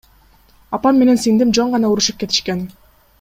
Апам менен сиңдим жөн гана урушуп кетишкен.